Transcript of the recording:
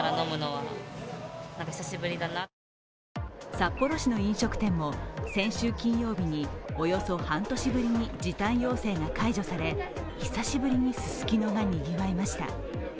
札幌市の飲食店も、先週金曜日におよそ半年ぶりに時短要請が解除され、久しぶりにススキノがにぎわいました。